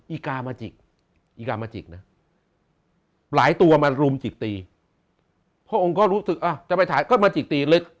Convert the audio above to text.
อีกามาจิกอีกามาจิกนะหลายตัวมารุมจิกตีพระองค์ก็รู้สึกอ่ะจะไปถ่ายก็มาจิกตีลึก